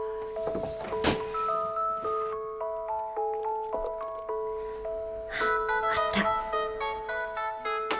あっあった。